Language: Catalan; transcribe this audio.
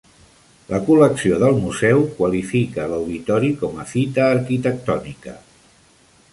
La col·lecció del museu qualifica l'auditori com a fita arquitectònica.